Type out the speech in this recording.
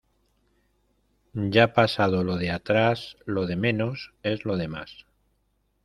Ya pasado lo de atrás, lo de menos es lo demás.